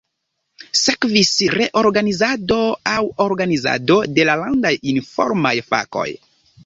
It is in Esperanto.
Sekvis reorganizado aŭ organizado de la landaj Informaj Fakoj.